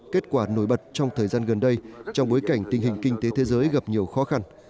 kết quả nổi bật trong thời gian gần đây trong bối cảnh tình hình kinh tế thế giới gặp nhiều khó khăn